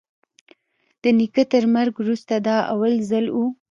د نيکه تر مرگ وروسته دا اول ځل و.